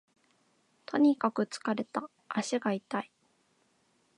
とにかく疲れた、足が痛い